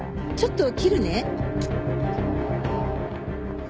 ちょっと切るね。